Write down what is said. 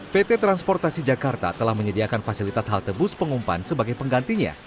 pt transportasi jakarta telah menyediakan fasilitas halte bus pengumpan sebagai penggantinya